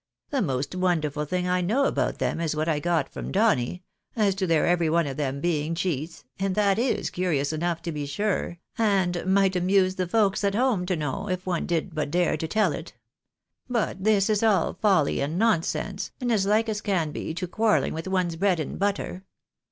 The most wonderful thing I know about them is what I got from Donny, as to their every one of them being cheats, and that is curious enough to be sure, and might amuse the folks at home to know, if one did but dare to tell it. But this is all folly and nonsense, and as like as can be to quarrelling with one's bread and butter.